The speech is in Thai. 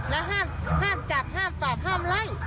แล้วห้ามจับห้ามตอบห้ามไล่